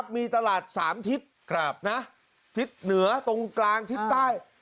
มีตลาด๓ทิศทิศเหนือตรงกลางทิศใต้